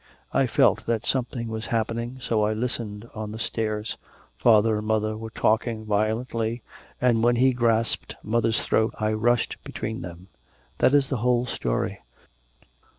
I felt that something was happening, so I listened on the stairs. Father and mother were talking violently, and when he grasped mother's throat I rushed between them. That is the whole story.'